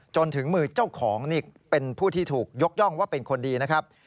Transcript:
จนถึงมือเจ้าของนี่เป็นผู้ที่ถูกยกย่องว่าเป็นคนดีนะครับ